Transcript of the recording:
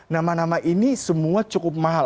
nama nama ini semua cukup mahal